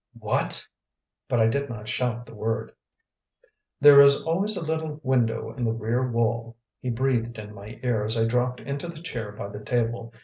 "WHAT!" But I did not shout the word. "There is always a little window in the rear wall," he breathed in my ear as I dropped into the chair by the table.